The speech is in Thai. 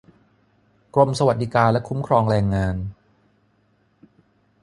กรมสวัสดิการและคุ้มครองแรงงาน